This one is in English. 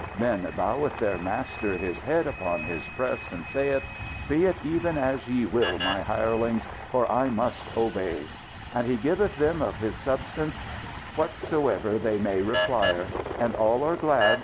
Then boweth their master his head upon his breast and saith: 'Be it even as ye will, my hirelings! For I must obey!' And he giveth them, of his substance, whatsoever they may require. And all are glad.